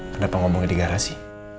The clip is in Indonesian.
kenapa ngomongnya di garasi